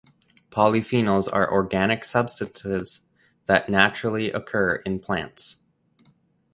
Polyphenols are organic substances that naturally occur in plants.